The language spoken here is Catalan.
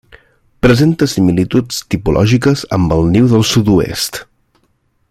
Presenta similituds tipològiques amb el niu del sud-oest.